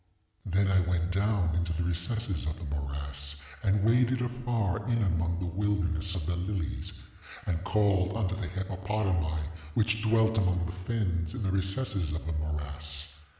ŌĆ£Then I went down into the recesses of the morass, and waded afar in among the wilderness of the lilies, and called unto the hippopotami which dwelt among the fens in the recesses of the morass.